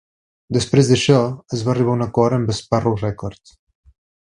Després d'això, es va arribar a un acord amb Sparrow Records.